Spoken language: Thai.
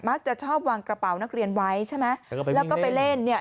จะชอบวางกระเป๋านักเรียนไว้ใช่ไหมแล้วก็ไปเล่นเนี่ย